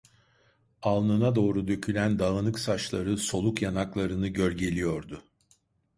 Alnına doğru dökülen dağınık saçları soluk yanaklarını gölgeliyordu.